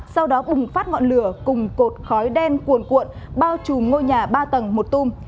sau đó bùng phát ngọn lửa cùng cột khói đen cuồn cuộn bao trùm ngôi nhà ba tầng một tung